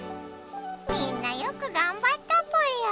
みんなよくがんばったぽよ。